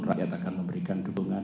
rakyat akan memberikan dukungan